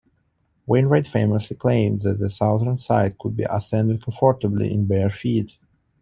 Wainwright famously claimed that the southern side could be "ascended comfortably in bare feet".